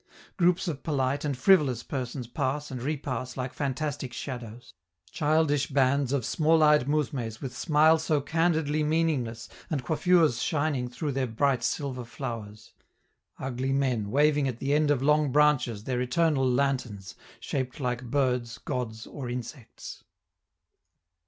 Groups of polite and frivolous persons pass and repass like fantastic shadows: childish bands of small eyed mousmes with smile so candidly meaningless and coiffures shining through their bright silver flowers; ugly men waving at the end of long branches their eternal lanterns shaped like birds, gods, or insects.